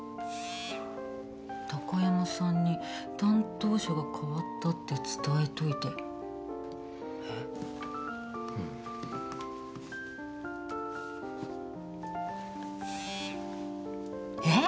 「高山さんに担当者が代わったって伝えといて」えっ？えっ！？